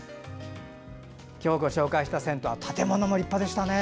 今日ご紹介した銭湯は、建物も立派でしたね。